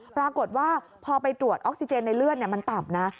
ปรากฏว่าพอไปตรวจออกซิเจนในเลือดมันต่ำนะ